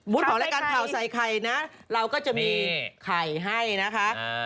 ของรายการข่าวใส่ไข่นะเราก็จะมีไข่ให้นะคะ